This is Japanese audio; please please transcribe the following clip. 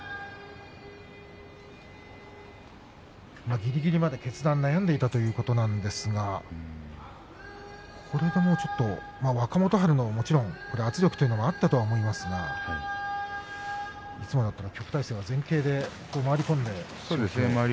ぎりぎりまで決断悩んでいたということなんですがこれで、もうちょっと若元春の圧力というのもあったと思いますがいつもだったら旭大星が前傾で回り込んで。